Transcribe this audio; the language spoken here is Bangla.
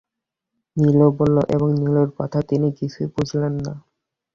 নীলু বলল, এবং নীলুর কথা তিনি কিছুই বুঝলেন না।